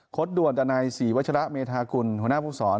คดด่วนตันใน๔วัชละเมธากุลหัวหน้าภูมิสอน